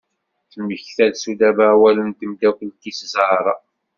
Temekta-d Sudaba awalen n temdakelt-is Zahra.